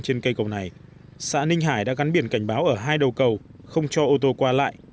trên cây cầu này xã ninh hải đã gắn biển cảnh báo ở hai đầu cầu không cho ô tô qua lại